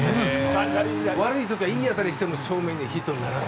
悪い時はいい当たりをしても正面に、ヒットにならない。